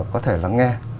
có thể lắng nghe